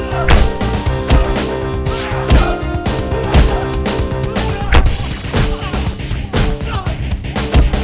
daripada gabung sama lo